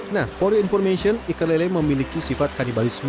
nah for your information ikan lele memiliki sifat kanibalisme